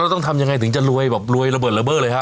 เราต้องทำยังไงถึงจะรวยแบบรวยระเบิดระเบิดเลยครับ